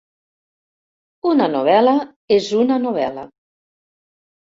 Una novel·la és una novel·la!